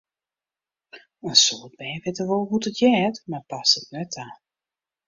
In soad bern witte wol hoe't it heart, mar passe it net ta.